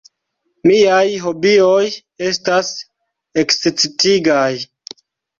Miaj hobioj estas ekscitigaj.